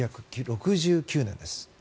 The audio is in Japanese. １９６９年です。